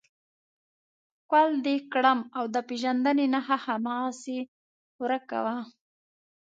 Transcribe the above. ښکل دې کړم او د پېژندنې نښه هماغسې ورکه وه.